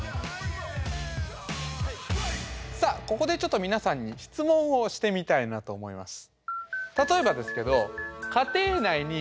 さあここでちょっと皆さんに質問をしてみたいなと思います。